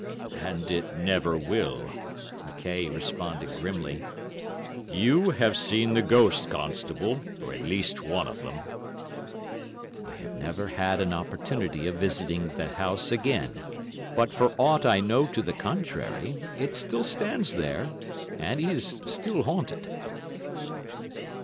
"And it never will," McKaye responded grimly. "You have seen the ghost, constable, or at least one of them." I have never had an opportunity of visiting the house again, but for aught I know to the contrary, it still stands there, and is still haunted.